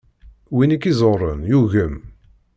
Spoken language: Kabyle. Win i k-iẓuren yugem.